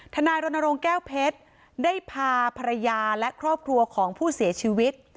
นายรณรงค์แก้วเพชรได้พาภรรยาและครอบครัวของผู้เสียชีวิต